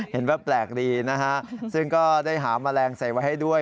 แปลกดีนะฮะซึ่งก็ได้หาแมลงใส่ไว้ให้ด้วย